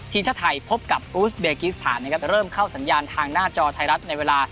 ทีมชาติไทยพบกับอูสเบกิสถานนะครับเริ่มเข้าสัญญาณทางหน้าจอไทยรัฐในเวลา